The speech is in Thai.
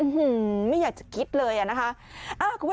สุดยอดดีแล้วล่ะ